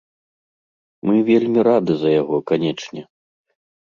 Мы вельмі рады за яго, канечне.